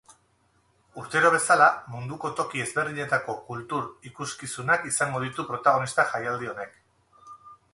Urtero bezala, munduko toki ezberdinetako kultur ikusikizunak izango ditu protagonista jaialdi honek.